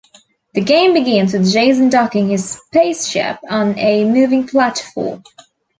The game begins with Jason docking his spaceship on a moving platform.